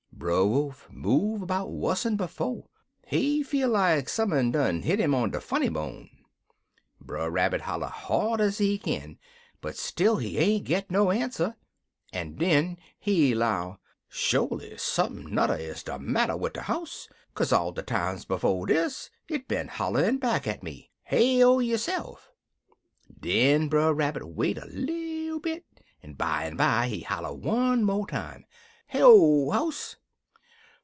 "Brer Wolf move 'bout wuss'n befo'. He feel like sum un done hit 'im on de funny bone. "Brer Rabbit holler hard ez he kin, but still he ain't git no answer, en den he 'low, 'Sholy sump'n nudder is de matter wid dat house, kaze all de times befo' dis, it been holler'n back at me, "Heyo, yo'se'f!"' "Den Brer Rabbit wait little bit, en bimeby he holler one mo' time, 'Heyo, house!'